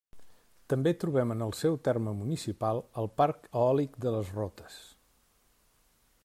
També trobem en el seu terme municipal el Parc eòlic de les Rotes.